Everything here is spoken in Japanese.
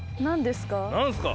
何すか？